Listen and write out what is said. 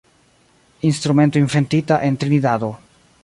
Instrumento inventita en Trinidado.